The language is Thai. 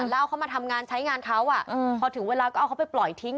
แล้วเอาเขามาทำงานใช้งานเขาพอถึงเวลาก็เอาเขาไปปล่อยทิ้ง